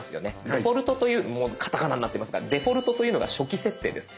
デフォルトというカタカナになってますがデフォルトというのが初期設定です。